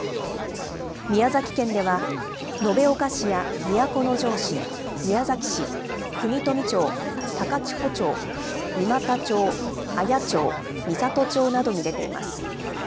宮崎県では延岡市や都城市、宮崎市、国富町、高千穂町、三股町、綾町、美郷町などに出ています。